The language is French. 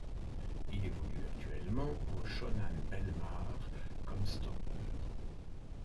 Il évolue actuellement au Shonan Bellmare comme stoppeur.